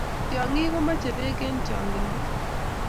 tyangik komachei pek eng chongindo